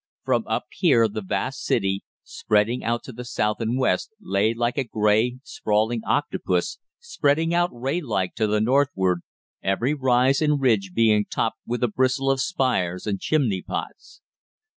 From up here the vast city, spreading out to the south and west, lay like a grey, sprawling octopus spreading out ray like to the northward, every rise and ridge being topped with a bristle of spires and chimney pots.